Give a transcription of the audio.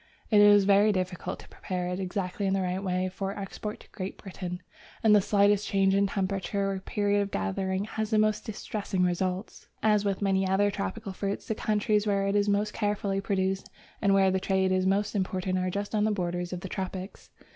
It is very difficult to prepare it exactly in the right way for export to Great Britain, and the slightest change in temperature or period of gathering has the most distressing results. As with many other tropical fruits, the countries where it is most carefully produced and where the trade is most important are just on the borders of the tropics.